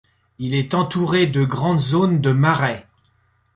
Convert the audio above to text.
Il est entouré de grandes zones de marais.